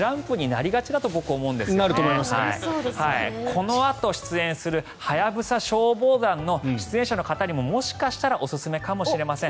このあと出演する「ハヤブサ消防団」の出演者の方にももしかしたらおすすめかもしれません。